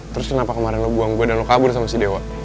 terus kenapa kemarin lo buang gue dan lo kabur sama si dewa